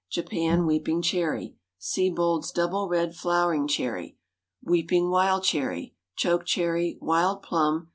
Japan weeping cherry. Siebold's double red flowering cherry. Weeping wild cherry. Choke cherry. Wild plum.